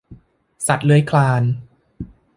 สัตว์เลื้อยคลาน